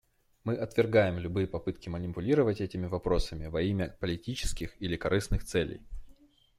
Мы отвергаем любые попытки манипулировать этими вопросами во имя политических или корыстных целей.